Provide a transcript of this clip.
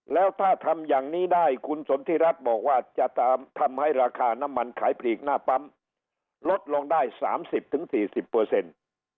แล้วถ้าทำอย่างนี้ได้คุณสนทิรัฐบอกว่าจะตามทำให้ราคาน้ำมันขายปลีกหน้าปั๊มลดลงได้สามสิบถึงสี่สิบเปอร์เซ็นต์